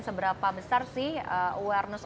seberapa besar sih awareness